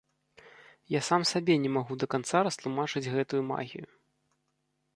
Я сам сабе не магу да канца растлумачыць гэтую магію.